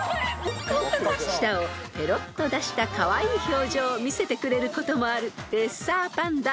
［舌をぺろっと出したカワイイ表情を見せてくれることもあるレッサーパンダ］